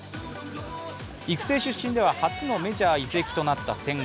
育成出身では初のメジャー移籍となった千賀。